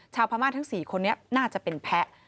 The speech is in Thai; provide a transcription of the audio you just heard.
พม่าทั้ง๔คนนี้น่าจะเป็นแพ้